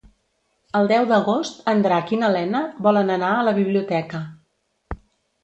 El deu d'agost en Drac i na Lena volen anar a la biblioteca.